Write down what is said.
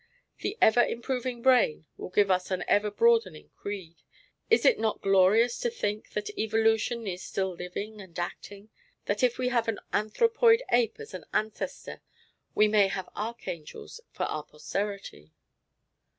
The ever improving brain will give us an ever broadening creed. Is it not glorious to think that evolution is still living and acting that if we have an anthropoid ape as an ancestor, we may have archangels for our posterity?